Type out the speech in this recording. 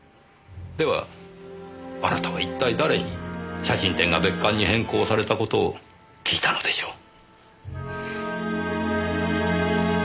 ではあなたは一体誰に写真展が別館に変更された事を聞いたのでしょう？